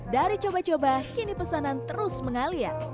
dari coba coba kini pesanan terus mengalir